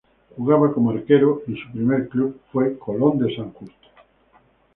Jugaba como arquero y su primer club fue Colón de San Justo.